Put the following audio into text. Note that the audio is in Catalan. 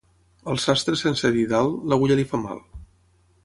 Al sastre sense didal, l'agulla li fa mal.